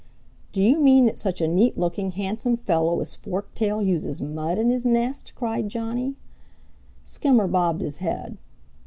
"Do you mean that such a neat looking, handsome fellow as Forktail uses mud in his nest?" cried Johnny. Skimmer bobbed his head.